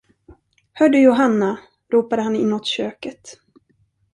Hör du, Johanna, ropade han inåt köket.